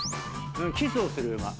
キスをするウマ。